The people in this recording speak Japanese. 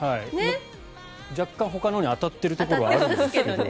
若干ほかのに当たっているところはあるんですけど。